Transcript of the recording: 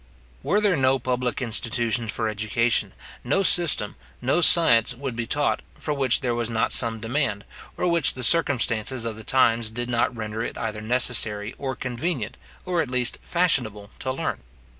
Were there no public institutions for education, no system, no science, would be taught, for which there was not some demand, or which the circumstances of the times did not render it either necessary or convenient, or at least fashionable to learn.